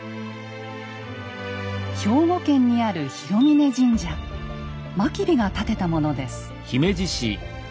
兵庫県にある真備が建てたものです。